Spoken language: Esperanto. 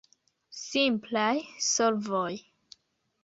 Simplaj solvoj!